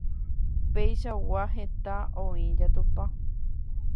Peichagua heta oĩ jatopa.